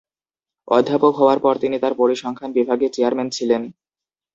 অধ্যাপক হওয়ার পর তিনি তার পরিসংখ্যান বিভাগে চেয়ারম্যান ছিলেন।